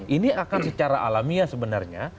ini akan secara alamiah sebenarnya